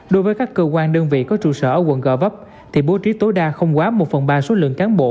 đối với các cơ quan đơn vị có trụ sở ở quận gò vấp thì bố trí tối đa không quá một phần ba số lượng cán bộ